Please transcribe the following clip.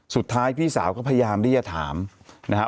สุดท้ายพี่สาวก็พยายามเรียกถามนะฮะ